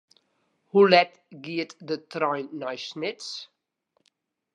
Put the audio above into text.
Hoe let giet de trein nei Snits?